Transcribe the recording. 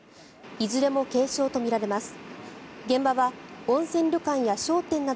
いずれも軽傷とみられます。